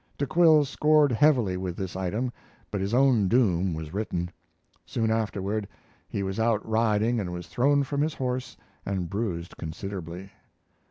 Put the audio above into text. De Quille scored heavily with this item but his own doom was written. Soon afterward he was out riding and was thrown from his horse and bruised considerably.